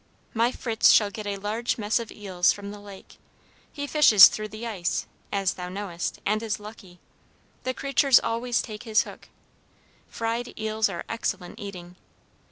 My Fritz shall get a large mess of eels from the Lake. He fishes through the ice, as thou knowest, and is lucky; the creatures always take his hook. Fried eels are excellent eating!